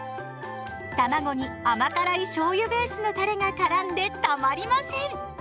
たまごに甘辛いしょうゆベースのたれがからんでたまりません！